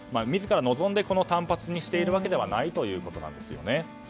自ら望んで短髪にしているわけではないということなんですね。